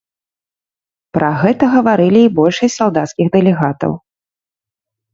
Пра гэта гаварылі і большасць салдацкіх дэлегатаў.